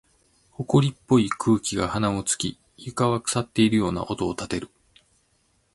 埃っぽい空気が鼻を突き、床は腐っているような音を立てる。